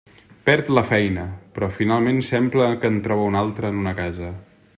Perd la feina, però finalment sembla que en troba una altra en una casa.